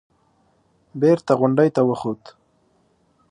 بېرته غونډۍ ته وخوت.